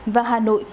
và hà nội